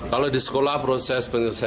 kalau di sekolah proses penyelesaian